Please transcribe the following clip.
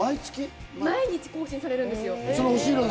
毎日更新されるんですよ。